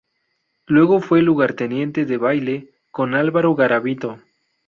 Luego fue lugarteniente de Baile con Álvaro Garavito.